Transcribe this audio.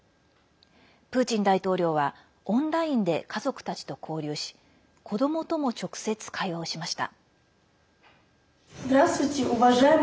プーチン大統領はオンラインで家族たちと交流し子どもとも直接、会話をしました。